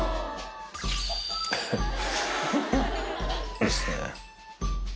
いいっすね。